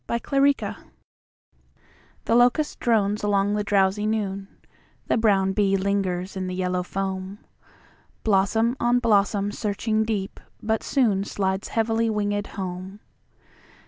Bush Goblins THE LOCUST drones along the drowsy noon, The brown bee lingers in the yellow foam, Blossom on blossom searching deep, but soonSlides heavy wingèd home.